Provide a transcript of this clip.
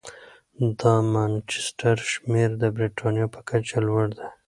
د مانچسټر شمېر د بریتانیا په کچه لوړ دی.